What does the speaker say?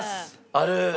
ある。